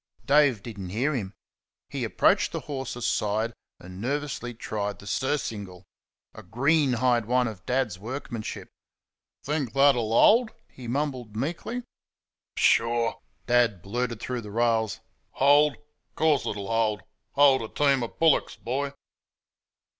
Dave did n't hear him. He approached the horse's side and nervously tried the surcingle a greenhide one of Dad's workmanship. "Think that'll hold?" he mumbled meekly. "Pshaw!" Dad blurted through the rails "Hold! Of course it'll hold hold a team o' bullocks, boy."